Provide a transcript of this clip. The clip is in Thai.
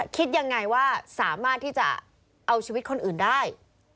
คิดยังไงว่าสามารถที่จะเอาชีวิตคนอื่นได้